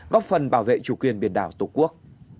góp phần bảo vệ chủ quyền biển đảo tổ quốc